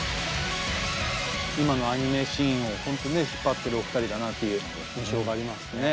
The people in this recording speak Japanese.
今のアニメシーンを引っ張ってるお二人だなという印象がありますね。